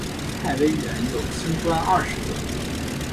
太微垣有星官二十个。